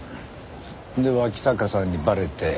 で脇坂さんにバレて。